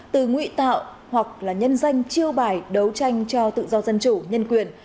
từ ngụy tạo hoặc là nhân danh chiêu bài đấu tranh cho tự do dân chủ nhân quyền